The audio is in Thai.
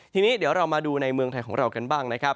ทีนี้เดี๋ยวเรามาดูในเมืองไทยของเรากันบ้างนะครับ